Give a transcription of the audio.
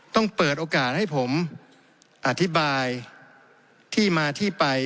ต้องเปิดโอกาสให้ผมอธิบาย